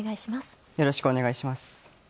よろしくお願いします。